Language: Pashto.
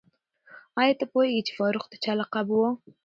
آیا ته پوهېږې چې فاروق د چا لقب و؟